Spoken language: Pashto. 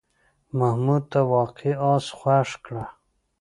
محمود ته واقعي آس خوښ کړه.